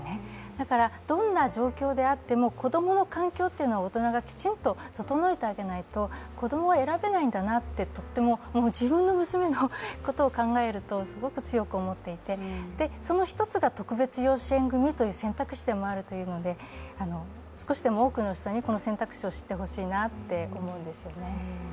だからどんな状況であっても子供の環境っていうのは大人がきちんと整えてあげないと子供は選べないんだなって、とっても自分の娘のことを考えるとすごく強く思っていてその一つが特別養子縁組という選択肢でもあるというので少しでも多くの人にこの選択肢を知ってほしいなと思ってるんですね。